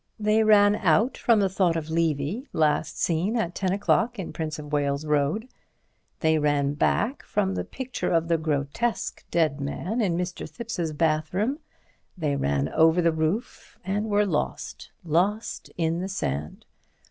They ran out from the thought of Levy, last seen at ten o'clock in Prince of Wales Road. They ran back from the picture of the grotesque dead man in Mr. Thipps's bathroom—they ran over the roof, and were lost—lost in the sand.